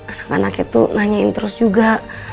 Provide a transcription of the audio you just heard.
anak anaknya tuh nanyain terus juga